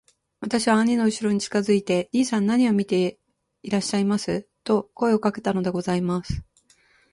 私は兄のうしろに近づいて『兄さん何を見ていらっしゃいます』と声をかけたのでございます。